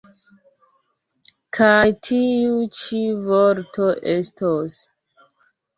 Kaj tiu ĉi vorto estos?